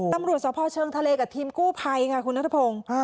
ตำรวจสพเชิงทะเลกับทีมกู้ภัยค่ะคุณนัทพงศ์